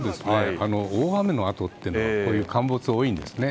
大雨のあとってこういう陥没多いんですね。